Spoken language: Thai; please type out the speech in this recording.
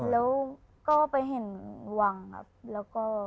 แล้วก็ไปเห็นวังครับแล้วก็